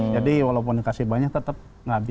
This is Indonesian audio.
jadi walaupun dikasih banyak tetap nggak habis